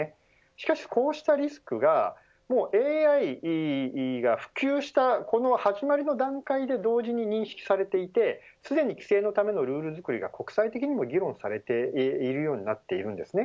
しかしこうしたリスクがＡＩが普及したこの始まりの段階で同時に認識されていてすでに規制のためのルール作りが国際的にも議論されているようになっているんですね。